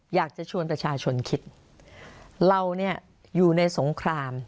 อยากจะชวนประชาชนคิดเราเนี่ยอยู่ในสงคราม